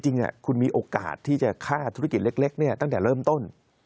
จริงคุณมีโอกาสที่จะฆ่าธุรกิจเล็กตั้งแต่เริ่มต้น